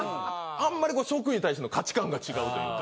あんまり食に対しての価値観が違うというか。